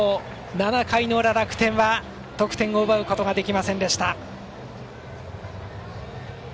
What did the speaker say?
７回の裏、楽天は得点を奪うことができませんでした。